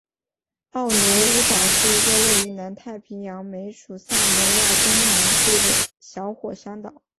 奥努乌岛是一个位于南太平洋美属萨摩亚东南部的小火山岛。